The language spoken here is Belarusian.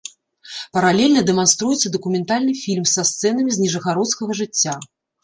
Паралельна дэманструецца дакументальны фільм са сцэнамі з ніжагародскага жыцця.